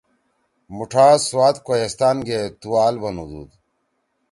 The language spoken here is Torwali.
مُوٹھا سوات کوہستان گے ”تُوال“ بنُودُود۔